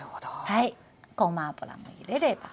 はいごま油も入れれば。